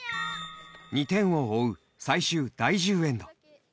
２点を追う、最終第１０エンド。